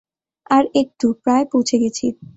আর একটু, প্রায় পৌঁছে গেছি।